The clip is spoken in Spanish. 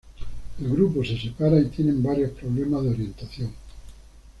El grupo se separa y tienen varios problemas de orientación.